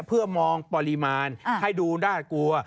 เพื่อมองปริมาณให้ดูน่ากลัว